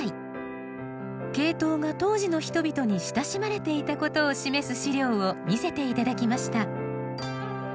ケイトウが当時の人々に親しまれていたことを示す史料を見せていただきました。